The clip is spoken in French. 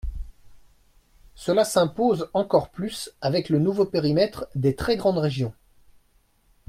Cela s’impose encore plus avec le nouveau périmètre des très grandes régions.